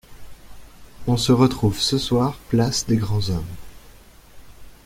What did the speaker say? On se retrouve ce soir place des grands hommes.